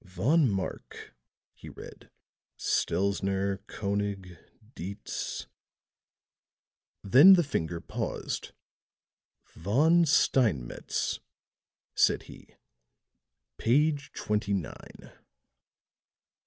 "Von Marc," he read, "Stelzner, Konig, Dietz." Then the finger paused. "Von Steinmetz," said he. "Page twenty nine."